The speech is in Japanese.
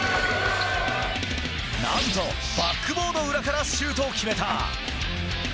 何と、バックボード裏からシュートを決めた。